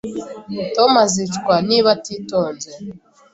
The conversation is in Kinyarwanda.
Tom azicwa niba atitonze